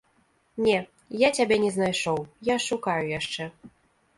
Не, я цябе не знайшоў, я шукаю яшчэ.